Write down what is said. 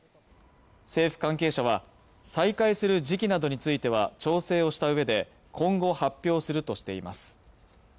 政府関係者は再開する時期などについては調整をしたうえで今後発表するとしています